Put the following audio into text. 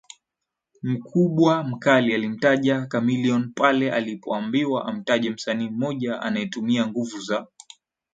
mkubwa mkali alimtaja Chameleon pale alipoambiwa amtaje msanii mmoja anayetumia nguvu za